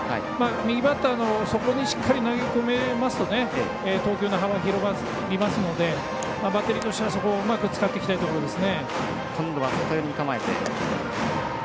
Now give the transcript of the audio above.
右バッターのそこにしっかり投げ込みますと投球の幅が広がりますのでバッテリーとしては、そこをうまく使っていきたいですね。